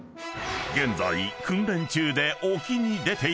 ［現在］